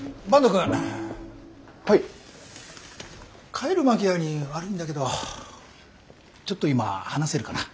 帰る間際に悪いんだけどちょっと今話せるかな？